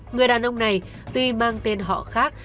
người đàn ông này tuy mang tên họ khác